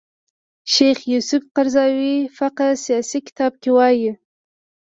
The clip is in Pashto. شیخ یوسف قرضاوي فقه سیاسي کتاب کې وايي